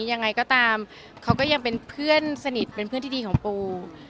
ยังไงก็ตามเขาก็ยังเป็นเพื่อนสนิทเป็นเพื่อนที่ดีของปู